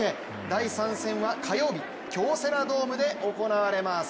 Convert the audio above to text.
第３戦は火曜日京セラドームで行われます。